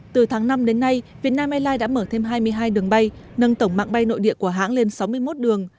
từ tháng năm đến nay vietnam airlines đã mở thêm hai mươi hai đường bay nâng tổng mạng bay nội địa của hãng lên sáu mươi một đường